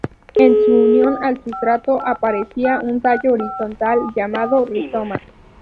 En su unión al sustrato aparecía un tallo horizontal llamado rizoma.